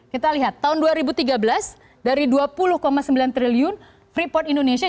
kita lihat tahun dua ribu tiga belas dari dua puluh sembilan triliun freeport indonesia